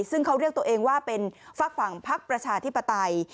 ซึ่งเขาเรียกตัวเองว่าเป็นฝากฝั่งพักประชาธิปไตย